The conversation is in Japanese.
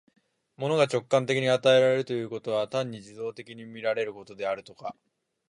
物が直観的に与えられるということは、単に受働的に見られることであるとか、